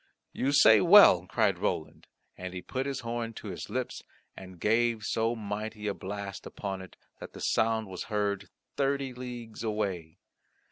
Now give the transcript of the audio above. "You say well," cried Roland, and he put his horn to his lips, and gave so mighty a blast upon it, that the sound was heard thirty leagues away.